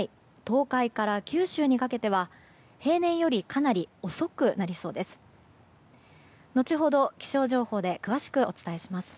東海から九州にかけては平年よりかなり遅くなりそうです。